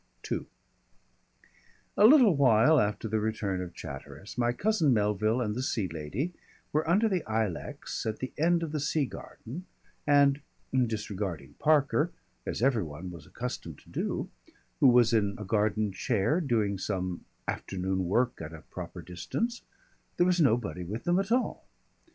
II A little while after the return of Chatteris, my cousin Melville and the Sea Lady were under the ilex at the end of the sea garden and disregarding Parker (as every one was accustomed to do), who was in a garden chair doing some afternoon work at a proper distance there was nobody with them at all.